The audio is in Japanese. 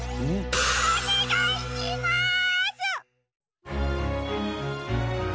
おねがいします！